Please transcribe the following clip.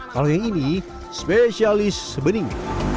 kalau yang ini spesialis bening